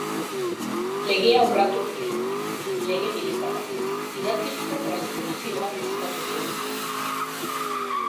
Legea urratu duzu, lege militarra, idatzizko transkripzio bat eskatu diozunean.